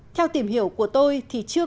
theo tìm hiểu của tôi thì chưa